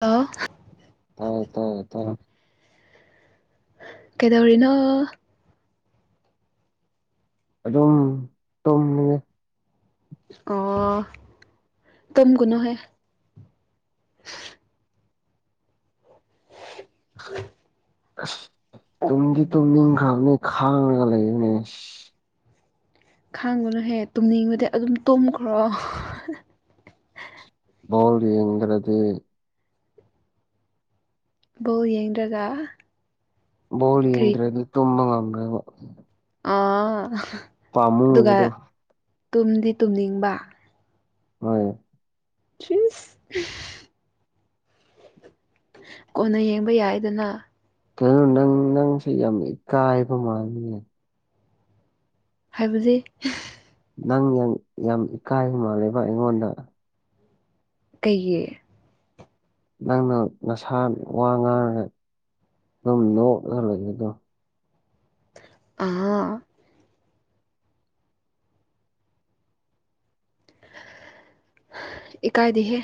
Hello ꯇꯥꯏ ꯇꯥꯏ ꯇꯥꯏ ꯀꯩꯗꯧꯔꯤꯅꯣ ꯑꯗꯨꯝ ꯇꯣꯡꯉꯦ ꯑꯣ ꯇꯨꯝꯚꯅꯨꯍꯦ ꯑꯁ ꯇꯨꯡꯗꯤ ꯇꯨꯝ ꯅꯤꯡꯈ꯭ꯔꯕꯅꯦ ꯈꯥꯡꯉꯒ ꯂꯩꯅꯦ ꯈꯥꯡꯕꯅꯨ ꯍꯦ ꯇꯨꯝꯅꯤꯡꯕꯗꯤ ꯑꯗꯨꯝ ꯇꯨꯝꯈ꯭ꯔꯣ ꯕꯣꯜ ꯌꯦꯡꯗꯔ꯭ꯥꯗꯤ ꯕꯣꯜ ꯌꯦꯡꯗ꯭ꯔꯒ ꯕꯣꯜ ꯀꯔꯤ ꯌꯦꯡꯗ꯭ꯔꯗꯤ ꯇꯨꯝꯕ ꯉꯝꯗꯦꯕ ꯑꯥ ꯑꯗꯨꯒ ꯄꯥꯝꯃꯨꯕꯗꯣ ꯇꯨꯝꯗꯤ ꯇꯨꯝꯅꯤꯡꯕ ꯍꯣꯏ ꯆꯤꯁ [unintelligible] ꯀꯣꯟꯅ ꯌꯦꯡꯕ ꯌꯥꯏꯗꯅ [unintelligible] ꯅꯪ ꯅꯪꯁꯦ ꯌꯥꯝꯅ ꯏꯀꯥꯏꯕ ꯃꯥꯂꯤꯅꯦ ꯍꯥꯏꯕꯗꯤ ꯅꯪ ꯌꯥꯝ ꯏꯀꯥꯏꯕ ꯃꯥꯜꯂꯦꯕ ꯑꯩꯉꯣꯟꯗ ꯀꯩꯒꯤ ꯅꯪꯅ ꯅꯁꯥ ꯋꯥ ꯉꯥꯡꯔꯒꯦꯜ ꯑꯗꯨꯝ ꯅꯣꯛꯂꯒ ꯂꯩꯕꯗꯣ ꯑꯥ ꯏꯀꯥꯏꯗꯦꯍꯦ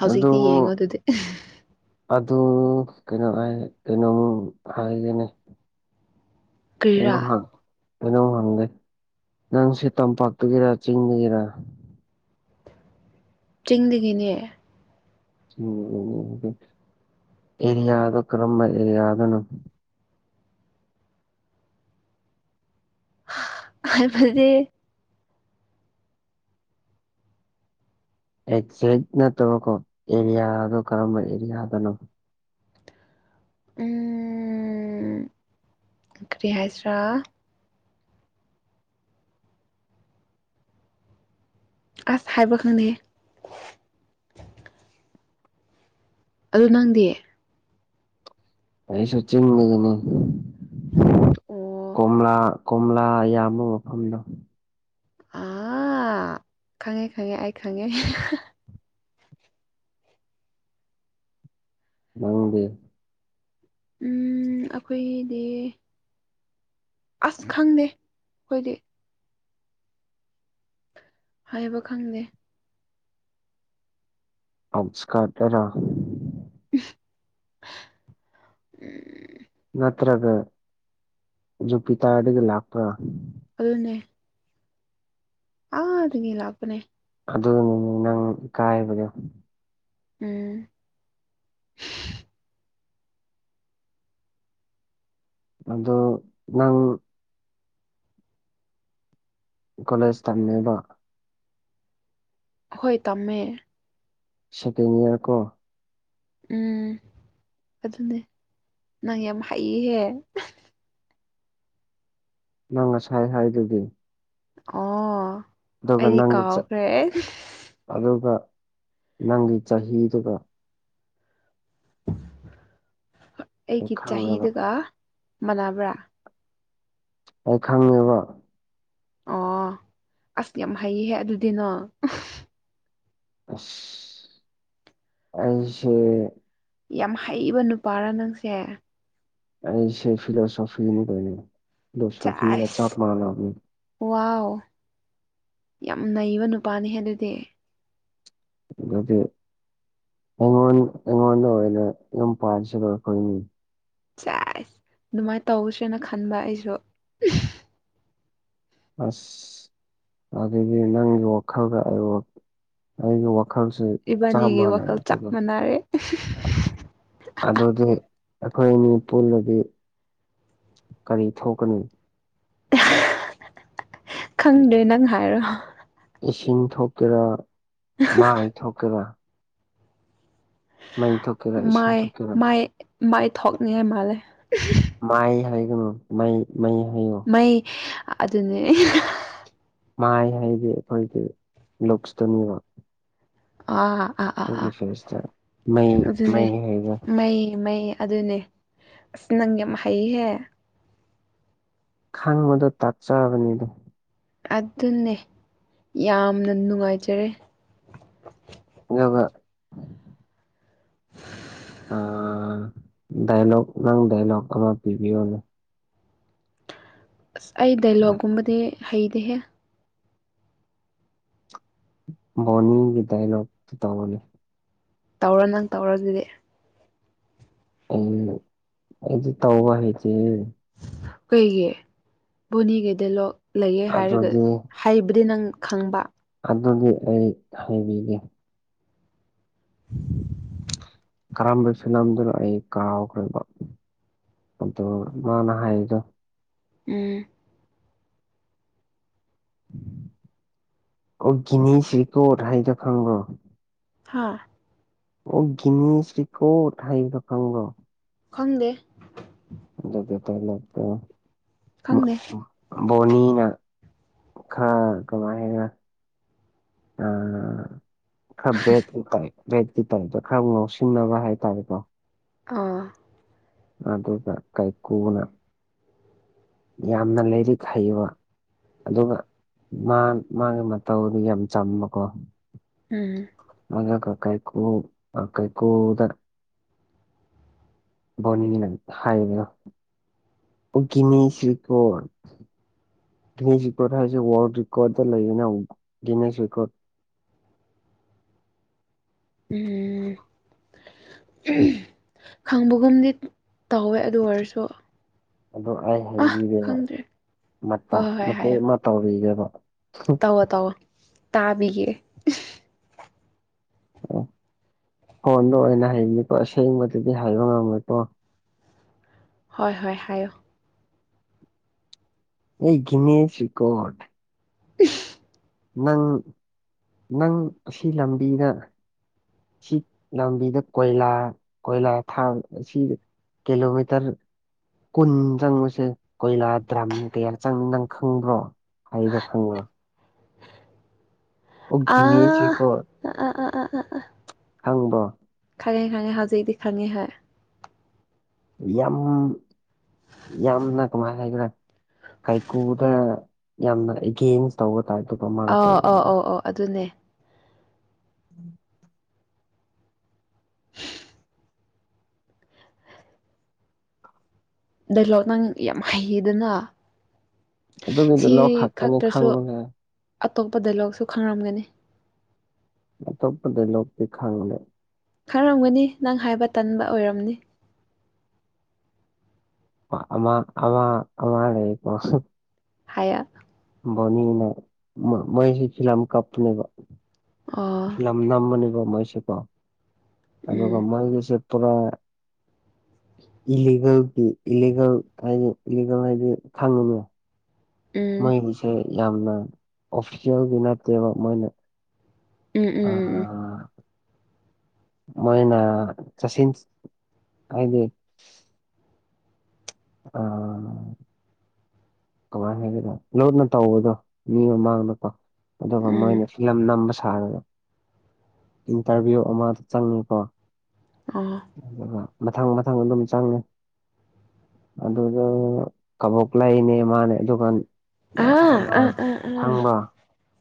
ꯍꯧꯖꯤꯛꯇꯤ ꯑꯗꯨꯝ ꯌꯦꯡꯉꯣ ꯑꯗꯨꯗꯤ ꯑꯗꯨ ꯀꯩꯅꯣ ꯀꯩꯅꯣꯝ ꯍꯥꯏꯒꯦꯅꯦ [unintelligible] [unintelligible] ꯀꯩꯅꯣꯝ ꯍꯪꯒꯦ ꯅꯪꯁꯦ ꯇꯝꯄꯥꯛꯇꯒꯤꯔ ꯆꯤꯡꯗꯒꯤꯔꯥ ꯆꯤꯡꯗꯒꯤꯅꯦ ꯎꯝ [unintelligible] ꯑꯦꯔꯤꯌꯥꯗꯣ ꯀꯔꯝꯕ ꯑꯦꯔꯤꯌꯥꯗꯅꯣ ꯍꯥꯏꯕꯗꯤ ꯑꯦꯛꯖꯦꯛ ꯅꯠꯇꯕꯀꯣ ꯑꯦꯔꯤꯌꯥꯗꯣ ꯀꯔꯝꯕ ꯑꯦꯔꯤꯌꯥꯗꯅꯣ ꯎ ꯀꯔꯤ ꯍꯥꯏꯁꯤꯔꯥ ꯑꯁ ꯍꯥꯏꯕ ꯈꯪꯗꯦꯍꯦ ꯑꯗꯨ ꯅꯪꯗꯤ ꯑꯩꯁꯨ ꯆꯤꯡꯗꯒꯤꯅꯤ ꯑꯣ ꯀꯣꯝꯂꯥ ꯀꯣꯝꯂꯥ ꯌꯥꯝꯕ ꯃꯐꯝꯗꯣ ꯑꯥ ꯈꯪꯉꯦ ꯈꯪꯉꯦ ꯑꯩ ꯈꯪꯉꯦ ꯅꯪꯗꯤ ꯎꯝ ꯑꯩꯈꯣꯏꯒꯤꯗꯤ ꯑꯁ ꯈꯪꯗꯦ ꯑꯩꯈꯣꯏꯗꯤ ꯍꯥꯏꯕ ꯈꯪꯗꯦ ꯑꯧꯎꯁꯀꯥꯠꯗꯔ ꯎꯝ ꯅꯠꯇ꯭ꯔꯒ ꯖꯨꯄꯤꯇꯥꯔꯗꯒꯤ ꯂꯥꯛꯄ꯭ꯔ ꯑꯗꯨꯅꯦ ꯑꯥꯗꯒꯤ ꯂꯥꯛꯄꯅꯦ ꯑꯗꯨꯅꯤꯅꯦ ꯅꯪ ꯏꯀꯥꯏꯕꯗꯣ ꯎꯝ ꯑꯗꯣ ꯅꯪ ꯀꯣꯂꯦꯖ ꯇꯝꯃꯤꯕꯣ ꯍꯣꯏ ꯇꯝꯃꯦ ꯁꯦꯀꯦꯟ ꯌꯔ ꯀꯣ ꯎꯝ ꯑꯗꯨꯅꯦ ꯅꯪ ꯌꯥꯝ ꯍꯩꯌꯦꯍꯦ ꯅꯪ ꯉꯁꯥꯏ ꯍꯥꯏꯗꯨꯗꯤ ꯑꯣ ꯑꯗꯨꯒ ꯑꯩꯗꯤ ꯅꯪ ꯀꯥꯎꯈ꯭ꯔꯦ ꯑꯗꯨꯒ ꯅꯪꯒꯤ ꯆꯍꯤꯗꯨꯒ꯫ ꯑꯩ ꯑꯩꯒꯤ ꯈꯪꯉꯦꯕ ꯆꯍꯤꯗꯨꯒ ꯃꯅꯕ꯭ꯔꯥ꯫ ꯑꯩ ꯈꯪꯉꯦꯕ꯫ ꯑꯣ ꯑꯁ ꯌꯥꯝ ꯍꯩꯌꯦꯍꯦ ꯑꯗꯨꯗꯤꯅꯣ꯫ ꯑꯁ ꯑꯩꯁꯦ꯫ ꯌꯥꯝ ꯍꯩꯕ ꯅꯨꯄꯥꯔꯥ ꯅꯪꯁꯦ꯫ ꯑꯩꯁꯦ ꯐꯤꯂꯣꯁꯣꯐꯤꯅꯤ ꯀꯩꯅꯦ ꯐꯤꯂꯣꯐꯤꯚ ꯆꯥꯞ ꯃꯅꯕꯅꯤ꯫ ꯋꯥ ꯌꯥꯝ ꯅꯩꯕ ꯅꯨꯄꯥꯅꯤ ꯑꯗꯨꯗꯤ꯫ ꯑꯗꯨꯗꯤ ꯑꯩꯉꯣꯟ ꯑꯩꯉꯣꯟꯗ ꯑꯣꯏꯅ ꯌꯨꯝ ꯄꯥꯟꯁꯤꯕ ꯑꯩꯈꯣꯏꯅꯤ꯫ ꯆꯁ ꯑꯗꯨꯃꯥꯏꯅ ꯇꯧꯁꯦꯅ ꯈꯟꯕ ꯑꯩꯁꯨ꯫ ꯑꯁ ꯑꯗꯨꯗꯤ ꯅꯪꯒꯤ ꯋꯥꯈꯜꯗ ꯑꯩ ꯑꯩꯒꯤ ꯋꯥꯈꯜ꯫ ꯏꯕꯥꯅꯤꯒꯤ ꯆꯥꯃꯅ ꯋꯥꯈꯜ ꯆꯞ ꯊꯨꯒ꯫ ꯃꯥꯟꯅꯔꯦ ꯑꯗꯨꯗꯤ ꯑꯩꯈꯣꯏ ꯑꯅꯤ ꯄꯨꯜꯂꯗꯤ꯫ ꯀꯔꯤ ꯊꯣꯛꯀꯅꯤ꯫ ꯈꯪꯗ꯭ꯔꯦ ꯅꯪ ꯍꯥꯏꯔꯣ꯫ ꯏꯁꯤꯡ ꯊꯣꯛꯀꯦꯔꯥ ꯃꯥꯏ ꯊꯣꯛꯀꯦꯔꯥ꯫ ꯃꯩꯊꯣꯛ꯫ ꯃꯥꯏ ꯃꯥꯏ ꯃꯥꯏꯊꯣꯛꯅꯤꯡꯉꯥꯏ ꯃꯥꯜꯂꯦ꯫ ꯃꯥꯏ ꯍꯥꯏꯒꯅꯨ ꯃꯩ ꯃꯩ ꯍꯥꯏꯌꯣ꯫ ꯃꯩ ꯑꯗꯨꯅꯦ꯫ ꯃꯥꯏ ꯍꯥꯏꯗꯤ ꯑꯩꯈꯣꯏꯒꯤ ꯂꯨꯛꯁꯇꯨꯅꯦꯕ꯫ ꯑꯥꯥ ꯑꯥ ꯑꯥ ꯑꯩꯒꯤ ꯑꯥ ꯐꯦꯁꯇ ꯃꯩ ꯑꯗꯨꯅꯦ ꯃꯩ ꯍꯥꯏꯒ ꯃꯩ ꯃꯩ ꯑꯗꯨꯅꯦ꯫ ꯑꯁ ꯅꯪ ꯌꯥꯝ ꯍꯩꯍꯦ꯫ ꯈꯪꯕꯗꯣ ꯇꯥꯛꯆꯕꯅꯤꯗꯣ꯫ ꯑꯗꯨꯅꯦ ꯌꯥꯝꯅ ꯅꯨꯡꯉꯥꯏꯖꯔꯦ꯫ ꯑꯗꯨꯒ꯫ ꯑꯥ ꯗꯥꯏꯂꯣꯛ ꯅꯪ ꯗꯥꯏꯂꯣꯛ ꯑꯃ ꯄꯤꯕꯤꯌꯣꯅꯦ꯫ ꯑꯁ ꯑꯩ ꯗꯥꯏꯂꯣꯛꯒꯨꯝꯕꯗꯤ ꯍꯩꯇꯦꯍꯦ꯫ ꯕꯣꯅꯤꯒꯤ ꯗꯗꯥꯏꯂꯣꯛ ꯇꯧꯒꯦ꯫ ꯇꯧꯔꯣ ꯅꯪ ꯇꯧꯔꯣ ꯑꯗꯨꯗꯤ꯫ ꯎꯝ ꯑꯩꯗꯤ ꯇꯧꯕ ꯍꯥꯏꯇꯦꯍꯦ꯫ ꯀꯩꯒꯤ ꯕꯣꯅꯤꯒꯤ ꯗꯥꯏꯂꯣꯛ ꯂꯩꯌꯦ ꯍꯥꯏꯔꯒ꯫ ꯑꯗꯨꯗꯤ ꯍꯩꯕꯗꯤ ꯅꯪ ꯈꯪꯕ꯫ ꯑꯗꯨꯗꯤ ꯑꯩ ꯍꯥꯏꯕꯤꯒꯦ꯫ [inaudible] ꯀꯔꯝꯕ ꯁꯅꯝꯗꯨꯔ ꯑꯩ ꯀꯥꯎꯈ꯭ꯔꯦꯕ ꯑꯗꯨ ꯃꯥꯅ ꯍꯥꯏꯔꯤꯗꯣ꯫ ꯎꯝ꯫ ꯑꯣ ꯒꯤꯅꯤ ꯁ꯭ꯔꯤꯀꯣꯠ ꯍꯥꯏꯗꯣ ꯈꯪꯕ꯭ꯔꯣ꯫ ꯍꯥꯥ꯫ ꯑꯣ ꯒꯤꯅꯤꯁꯤꯔꯤꯀꯣꯠ ꯍꯥꯏꯕ ꯈꯪꯕꯔꯣ꯫ ꯈꯪꯗꯦ꯫ ꯑꯗꯨꯒꯤ ꯗꯥꯏꯂꯦꯛꯇꯣ ꯈꯪꯗꯦ ꯫ ꯕꯣꯅꯤꯅ ꯈꯔ ꯀꯃꯥꯏꯅ꯫ ꯑ ꯈꯔ ꯚꯦꯠꯀꯤ ꯇꯥꯏꯞ ꯚꯦꯠꯀꯤ ꯇꯥꯏꯞꯇ ꯈꯔ ꯉꯥꯎꯁꯤꯟꯅꯕ ꯍꯥꯏꯇꯥꯔꯦꯀꯣ꯫ ꯑꯥ꯫ ꯑꯗꯨꯒ ꯀꯥꯏꯀꯨꯅ ꯌꯥꯝꯅ ꯂꯥꯏꯔꯤꯛ ꯍꯩꯕ꯫ ꯑꯗꯨꯒ ꯃꯥ ꯃꯥꯒꯤ ꯃꯇꯧꯗꯨ ꯌꯥꯝ ꯆꯝꯕꯀꯣ꯫ ꯎꯝ꯫ ꯃ ꯀ ꯀꯥꯏ ꯀꯣ ꯀ ꯀꯩ ꯀꯨꯗ꯫ ꯕꯣꯅꯤꯅꯪ ꯍꯥꯏꯕꯤꯌꯣ ꯫ [unintelligible] ꯗꯤꯅꯦꯁ ꯔꯦꯀꯣꯔꯠ ꯍꯥꯏꯁꯦ ꯋꯥꯔꯜꯗ ꯔꯦꯀꯣꯔꯠꯇ ꯂꯩꯌꯦꯅ ꯗꯤꯅꯦꯁ ꯔꯦꯀꯣꯔꯠ꯫ ꯎꯝ ꯈꯪꯕꯒꯨꯝꯗꯤ ꯇꯧꯋꯦ ꯑꯗꯨ ꯑꯣꯏꯔꯁꯨ ꯑꯗꯨ ꯑꯩ ꯑꯥ ꯍꯩꯕꯤꯔꯦꯕ ꯈꯪꯗ꯭ꯔꯦ ꯃꯇꯦꯛ ꯑꯃ ꯇꯧꯔꯤꯒꯦꯕ ꯇꯑꯣ ꯇꯧꯑꯣ ꯇꯥꯕꯤꯒꯦ꯫ ꯑꯣ ꯐꯣꯟꯗ ꯑꯣꯏꯅ ꯍꯩꯅꯤꯀꯣ ꯑꯁꯦꯡꯕꯗꯨꯗꯤ ꯍꯥꯏꯕ ꯉꯝꯃꯦꯣꯏꯀꯣ꯫ ꯍꯣꯏ ꯍꯣꯏ ꯍꯥꯏꯌꯣ꯫ ꯍꯩ ꯒꯦꯅꯦꯁ ꯔꯦꯒꯣꯠ [unintelligible] ꯅꯪ ꯅꯪ ꯑꯁꯤ ꯂꯝꯕꯤꯗ ꯁꯤ ꯂꯝꯕꯤꯗ ꯀꯣꯏꯂꯥ ꯀꯣꯏꯂꯥ ꯊꯥꯡ ꯑꯁꯤ ꯀꯤꯂꯣꯃꯤꯇꯔ ꯀꯨꯟ ꯆꯪꯕꯁꯦ ꯀꯣꯏꯂꯥ ꯗ꯭ꯔꯝ ꯀꯌꯥ ꯆꯪꯉꯤ ꯅꯪ ꯈꯪꯕ꯭ꯔꯣ? [unintelligible] ꯑꯣ ꯒꯤꯅꯦꯁ ꯑꯥ ꯑꯥ ꯑꯥ ꯑ ꯑ ꯍꯪꯕꯣ ꯈꯪꯉꯦ ꯈꯪꯉꯦ ꯍꯧꯖꯤꯛꯇꯤ ꯈꯪꯉꯦ ꯍꯣꯏ ꯌꯥꯝ ꯌꯥꯝꯅ ꯀꯃꯥꯏ ꯍꯥꯏꯒꯦꯔ ꯀꯥꯏꯀꯨꯗ ꯌꯥꯝꯅ ꯑꯦꯒꯦꯟꯁ ꯇꯧꯒ ꯇꯥꯏ ꯇꯨ ꯀ꯭ꯔꯃꯥꯟ ꯇꯧꯕꯗ ꯑꯣ ꯑꯗꯨꯅꯦ꯫ [inaudible] ꯗꯥꯏꯂꯣꯛ ꯅꯪ ꯌꯥꯝ ꯍꯩꯌꯦꯗꯅ ꯑꯗꯨ ꯀ ꯁꯤ ꯂꯧ ꯍꯥꯛꯇꯅꯤ ꯈꯛꯇꯁꯨ ꯈꯥꯡꯕ ꯑꯇꯣꯞꯄ ꯗꯥꯏꯂꯣꯛꯁꯨ ꯈꯪꯔꯝꯒꯅꯤ꯫ ꯑꯇꯣꯞꯄꯗ ꯂꯣꯛꯇꯤ ꯈꯥꯡꯗꯦ꯫ ꯈꯔꯝꯒꯅꯤ ꯅꯪ ꯍꯥꯏꯕ ꯇꯟꯕ ꯑꯣꯏꯔꯝꯅꯤ꯫ ꯑꯝ ꯑꯃ ꯂꯩ ꯄꯣꯁ ꯍꯥꯏꯌꯥ ꯕꯣꯅꯤꯅ ꯃꯩꯁꯂꯝ ꯀꯞꯅꯦꯕ ꯑꯣ ꯅꯝꯃꯅꯦꯕ ꯃꯣꯏꯁꯦꯀꯣ ꯑꯗꯨꯒ ꯎꯝ ꯃꯣꯏꯒꯤꯁꯦ ꯄꯨꯔꯥ ꯏꯂꯤꯒꯜꯒꯤ ꯏꯂꯤꯒꯜ ꯍꯥꯏꯗꯤ ꯏꯂꯤꯒꯜ ꯍꯥꯏꯗꯤ ꯈꯪꯉꯤꯅꯦ꯫ ꯎꯝ ꯃꯩꯒꯤꯁꯦ ꯌꯥꯝꯅ ꯑꯣꯐꯤꯁꯦꯜꯗꯤ ꯅꯠꯇꯦꯕ ꯃꯣꯏꯅ ꯎꯝ ꯎꯝ ꯑ ꯎꯝ ꯎꯝ ꯃꯣꯏꯅ ꯆꯠꯁꯤꯟ ꯍꯥꯏꯗꯤ ꯑ ꯀꯃꯥꯏꯅ ꯍꯥꯏꯒꯗ ꯂꯨꯅ ꯇꯧꯕꯗꯣ ꯃꯤ ꯃꯃꯥꯡꯗꯀꯣ ꯑꯗꯨꯒ ꯎꯝ ꯃꯣꯏꯅ ꯐꯤꯂꯝ ꯅꯝꯕ ꯁꯥꯔꯒ ꯏꯟꯇꯔꯚꯤꯌꯨ ꯑꯃꯗ ꯆꯪꯉꯤꯀꯣ ꯑꯣ ꯃꯊ ꯪ ꯃꯊꯪ ꯑꯗꯨꯝ ꯆꯪꯉꯦ꯫ ꯑꯗꯨꯗ ꯀꯕꯣꯛ ꯂꯩꯅꯦ ꯃꯥꯅꯦ ꯑꯗꯨꯒꯟ ꯑꯥ ꯑꯥ ꯑꯥ ꯑꯥ ꯊꯪꯕ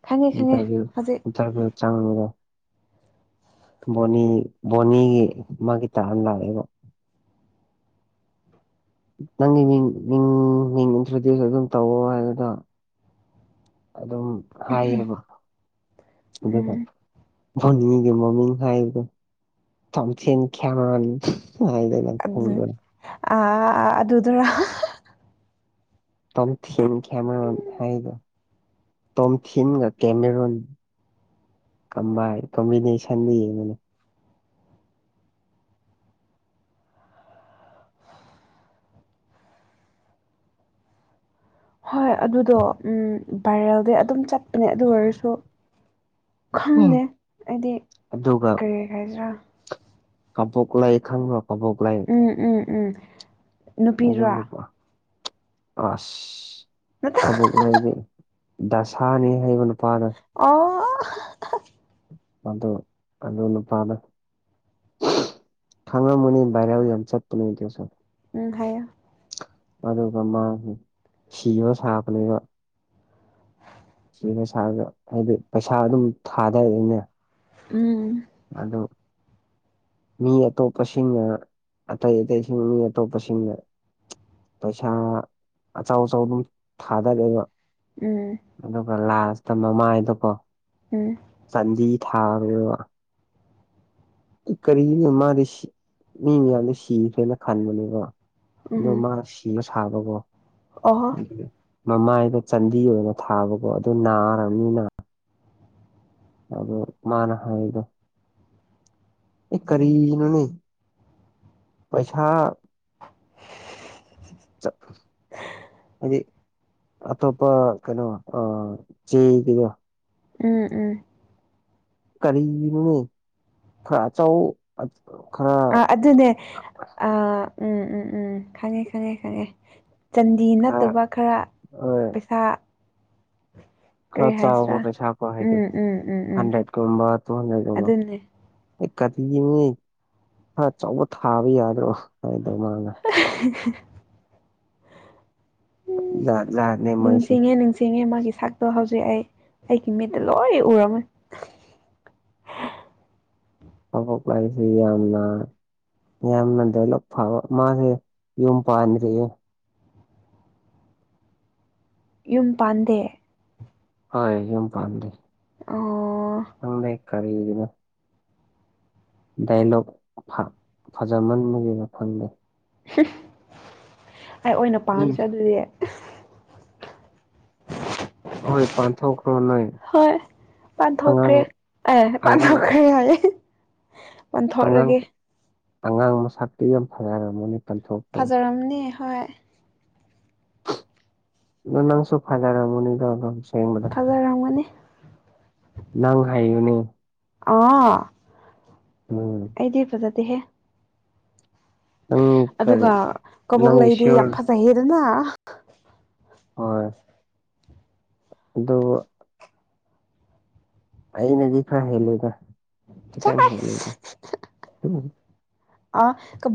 ꯈꯪꯉꯦ ꯏ ꯈꯪꯉꯦ ꯍꯧꯖꯤꯛ ꯏꯟꯇꯔꯚꯤꯌꯨ ꯆꯪꯉꯕ ꯕꯣꯅꯤ ꯕꯣꯅꯤꯒꯤ ꯃꯥꯒꯤ ꯇꯥ ꯑꯃ ꯂꯥꯛꯑꯦꯕꯣ꯫ ꯅꯪꯒꯤ ꯃꯤꯡ ꯃꯤꯡ ꯃꯤꯡ ꯏꯟꯇ꯭ꯔꯣꯗ꯭ꯌꯨꯁ ꯑꯗꯨꯝ ꯇꯧꯑꯣ ꯍꯥꯏꯕꯗꯣ ꯑꯗꯨꯝ ꯍꯥꯏꯌꯦꯕ ꯑꯗꯨꯒ ꯎꯝ ꯐꯣꯅꯤꯒꯤ ꯃꯃꯤꯡ ꯍꯥꯏꯕꯗꯣ ꯇꯣꯝꯊꯤꯟ ꯀꯦꯃꯦꯔꯨꯟ ꯍꯥꯏꯗꯅ ꯑꯗꯨ ꯑ ꯑꯗꯨꯗꯤ ꯇꯣꯝꯐꯤꯟ ꯀꯦꯃꯦꯔꯨꯟ ꯍꯥꯏꯗꯣ ꯇꯣꯝꯊꯤꯟꯒ ꯀꯦꯃꯦꯔꯨꯟ ꯀꯝꯕꯥꯏ ꯀꯝꯃꯨꯅꯁꯟꯗ ꯌꯦꯡꯉꯨꯅꯦ ꯍꯣꯏ ꯑꯗꯨꯗꯣ ꯎꯝ ꯚꯏꯔꯦꯜꯗꯤ ꯑꯗꯨꯝ ꯆꯠ ꯑ ꯑꯗꯨ ꯑꯣꯏꯔꯁꯨ ꯈꯪꯗꯦ ꯑꯩꯗꯤ ꯑꯗꯨꯒ ꯀꯔꯤ ꯍꯥꯏꯖ꯭ꯔꯥ ꯀꯕꯣꯛꯂꯩ ꯈꯪꯕꯔꯣ ꯀꯕꯣꯛꯂꯩ ꯎꯝ ꯎꯝ ꯎꯝ ꯑꯣ ꯅꯨꯄꯤꯔꯥ ꯂꯄ ꯑꯁ ꯅꯠꯇꯦ ꯍꯕ ꯗꯤ ꯗꯁꯥꯅꯤ ꯍꯥꯏꯕ ꯅꯨꯄꯥꯗ ꯑꯣ ꯃꯗꯣ ꯑꯗꯨ ꯅꯨꯄꯥꯗꯣ ꯊꯉꯥ ꯃꯅꯤ ꯔꯕꯨ ꯌꯥꯝ ꯆ ꯄꯨꯃꯤꯁ ꯎꯝ ꯍꯥꯏꯌꯣ ꯑꯗꯨꯒ ꯃꯥꯒꯤ ꯁꯤꯕ ꯁꯥꯕꯅꯦꯕ ꯁꯤ ꯁꯥꯥꯗ ꯍꯥꯏꯗꯤ ꯄꯩꯁꯥ ꯗꯨꯕꯨꯗꯤ ꯊꯥꯗꯩꯅꯦ ꯎꯝ ꯑꯗꯣ ꯃꯤ ꯑꯇꯣꯞꯄꯁꯤꯡꯅ ꯑꯇꯩ ꯑꯇꯩꯁꯤꯡ ꯃꯤ ꯑꯇꯣꯞꯄꯁꯤꯡꯅ ꯄꯩꯁꯥ ꯑꯆꯧ ꯑꯆꯧ ꯑꯗꯨꯝ ꯊꯥꯗꯒꯦꯕ ꯎꯝ ꯑꯗꯨꯒ ꯂꯥꯁꯇ ꯃꯃꯥꯏꯗꯨꯀꯣ ꯎꯝ ꯆꯥꯟꯗꯤ ꯊꯥꯔ ꯏ ꯀꯔꯤꯅꯣ ꯃꯥꯒꯤꯁꯤ ꯃꯤ ꯃꯌꯥꯝꯅ ꯁꯤꯈ꯭ꯔꯦꯅ ꯈꯟꯕꯅꯦꯀꯣ ꯎꯝ ꯑꯗꯣ ꯃꯥ ꯁꯤꯕ ꯁꯥꯕꯀꯣ ꯑꯣꯍꯣ ꯃꯃꯥꯏꯗꯣ ꯆꯟꯗꯤ ꯑꯣꯏꯅ ꯊꯥꯕꯀꯣ ꯑꯗꯨ ꯅꯥꯔꯕꯅꯤꯅ ꯑꯣ ꯃꯥꯅ ꯍꯥ ꯏ ꯑꯦ ꯀꯔꯤꯅꯅꯤ ꯄꯩꯁꯥ ꯆꯠ ꯍꯥꯏꯗꯤ ꯑꯇꯣꯞꯄ ꯀꯩꯅꯣ ꯑꯥ ꯆꯦꯒꯤꯗꯣ ꯎꯝ ꯎꯝ ꯀꯔꯤꯒꯤꯅꯣꯅꯦ ꯈꯔ ꯆꯥꯎꯑꯣ ꯑꯗꯨꯗꯣ ꯈꯔ ꯑ ꯑꯗꯨꯅꯦ ꯑ ꯎꯝ ꯎꯝ ꯎꯝ ꯈꯪꯉꯦ ꯈꯪꯉꯦ ꯈꯪꯉꯦ ꯆꯟꯗꯤ ꯅꯠꯇꯕ ꯈꯔ ꯍꯣꯏ ꯄꯩꯁꯥ ꯈꯔ ꯀꯔꯤ ꯆꯥꯎꯕ ꯍꯥꯏꯁꯤꯔꯥ ꯄꯩꯁꯥꯀꯣ ꯍꯥꯏꯗꯤ ꯎꯝ ꯎꯝ ꯎꯝ ꯎꯝ ꯍꯟꯗ꯭ꯔꯦꯠꯀꯨꯝꯕ ꯇꯨ ꯍꯟꯗ꯭ꯔꯦꯠꯀꯨꯝꯕ ꯑꯗꯨꯅꯦ ꯑꯩ ꯀꯔꯤꯒꯤ ꯃꯤ ꯈꯔꯆꯕ ꯊꯥꯕ ꯌꯥꯗ꯭ꯔꯣ ꯍꯥꯏꯗꯧ ꯃꯥꯅ [inaudible] ꯎꯝ ꯖꯥꯠ ꯖꯥꯠꯅꯦ ꯃꯣꯏꯁꯦ ꯅꯤꯡꯁꯤꯡꯉꯦ ꯅꯤꯡꯁꯤꯡꯉꯦ ꯃꯥꯒꯤ ꯁꯛ ꯑꯗꯣ ꯍꯧꯖꯤꯛ ꯑꯩ ꯑꯩꯒꯤ ꯃꯤꯠꯇ ꯂꯣꯏ ꯎꯔꯝꯃꯦ ꯀꯕꯣꯂꯩꯁꯤ ‌ꯌꯥꯝꯅ ꯌꯥꯝꯅ ꯗꯥꯏꯂꯣꯒ ꯐꯕ ꯃꯥꯅꯦ ꯌꯨꯝ ꯄꯟꯗꯔ꯭ꯤꯌꯦ ꯌꯨꯝ ꯄꯥꯟꯗꯦ ꯍꯣꯏ ꯌꯨꯝ ꯄꯥꯝꯗꯦ ꯑꯣ ꯈ ꯪꯗꯦ ꯀꯔꯤꯒꯤꯅꯣ ꯗꯥꯏꯂꯣꯛ ꯐꯖꯃꯟꯕꯒꯤꯅ ꯐꯪꯗꯦ ꯑꯩ ꯑꯣꯏꯅ ꯎꯝ ꯄꯥꯟꯝꯁꯦ ꯑꯗꯨꯗꯤ ꯍꯣꯏ ꯄꯥꯟꯊꯣꯛꯈ꯭ꯔꯣ ꯅꯣꯏ ꯍꯣꯏ ꯑꯉꯥꯡ ꯄꯥꯟꯊꯣꯛꯈ꯭ꯔꯦ ꯑꯦ ꯑꯉꯥꯡ ꯄꯥꯟꯊꯣꯛꯈ꯭ꯔꯦ ꯍꯥꯏꯌꯦ ꯑꯉꯥꯡ ꯄꯥꯟꯊꯣꯛꯔꯒꯦ ꯑꯉꯥꯡ ꯃꯁꯛꯇꯤ ꯌꯥꯝ ꯐꯖꯔꯝꯃꯅꯤ ꯄꯥꯟꯊꯣꯛꯇꯣ ꯐꯖꯔꯝꯅꯦ ꯍꯣꯏ ꯑꯗꯨ ꯅꯪꯁꯨꯣ ꯐꯥꯏꯗꯔ ꯃꯅꯤꯗꯝꯁꯨ ꯀꯜꯖꯔꯝꯒꯅꯤ ꯅꯪ ꯍꯥꯏꯌꯨꯅꯦ ꯑ ꯎꯝ ꯑꯩꯗꯤ ꯐꯖꯗꯤꯦꯍꯦ ꯅꯪ ꯀꯔꯤ ꯑꯗꯨꯒ ꯀꯕꯣꯛ ꯅꯪꯒꯤ ꯂꯩꯗꯤ ꯁꯤꯌꯣꯔ ꯌꯥꯝ ꯐꯖꯩꯍꯦꯗꯅ ꯍꯣꯏ ꯑꯗꯨꯣ ꯑꯩꯏꯅꯦꯗꯤꯥ ꯍꯦꯂꯒ ꯆ ꯑꯗꯨꯝ ꯑ ꯀ